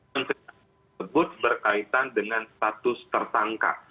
menteri tersebut berkaitan dengan status tersangka